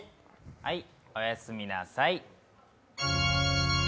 はい、おやすみなさい。